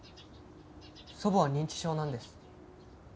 祖母は認知症なんです。